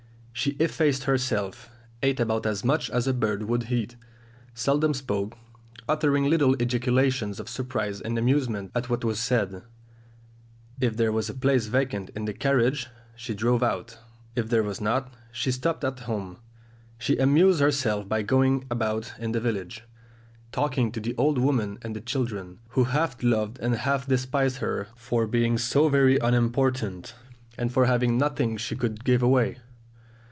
She effaced herself, ate about as much as a bird would eat, seldom spoke, uttering little ejaculations of surprise and amusement at what was said; if there was a place vacant in the carriage, she drove out. If there was not, she stopped at home. She amused herself by going about in the village, talking to the old women and the children, who half loved and half despised her for being so very unimportant, and for having nothing she could give away.